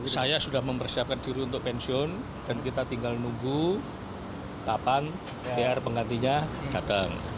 saya sudah mempersiapkan diri untuk pensiun dan kita tinggal nunggu kapan pr penggantinya datang